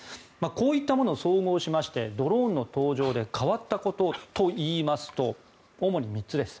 こういったものを総合しましてドローンの登場で変わったことといいますと主に３つです。